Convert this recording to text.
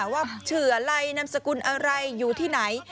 ว่าชื่ออะไรนามสกุลอะไรอยู่ที่ไหน